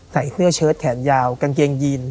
ใส่เสื้อเชิดแขนยาวกางเกงยีน